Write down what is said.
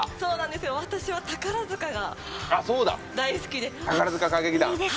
私は宝塚が大好きで。